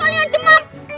situ kali yang demam